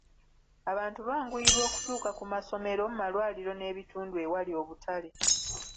Abantu banguyirwa okutuuka ku masomero, malwaliro n'ebitundu ewali obutale.